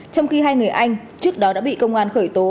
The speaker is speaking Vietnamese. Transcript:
trong khi hai người anh trước đó đã bị công an khởi tố